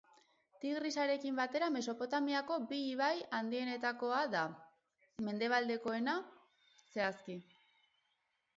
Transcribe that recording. Tigrisarekin batera Mesopotamiako bi ibai handietatik da, mendebaldekoena zehazki.